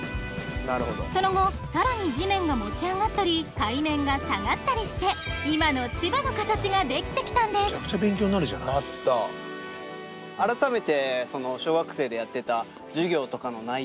その後さらに地面が持ち上がったり海面が下がったりして今の千葉の形が出来てきたんです改めて。